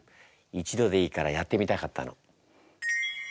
一度でいいからやってみたかったの。